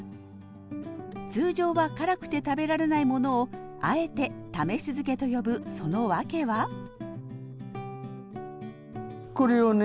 通常は辛くて食べられないものをあえて試し漬けと呼ぶその訳はこれをね